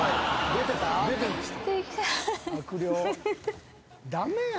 出てました。